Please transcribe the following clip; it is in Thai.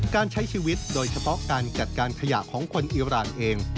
การใช้ชีวิตโดยเฉพาะการจัดการขยะของคนอิราณเอง